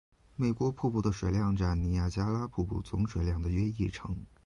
美国瀑布的水量占尼亚加拉瀑布总水量的约一成。